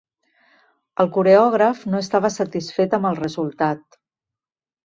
El coreògraf no estava satisfet amb el resultat.